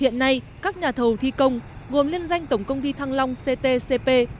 hiện nay các nhà thầu thi công gồm liên danh tổng công ty thăng long ctcp và công ty thăng long ctcp